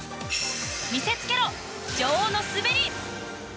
見せつけろ、女王の滑り！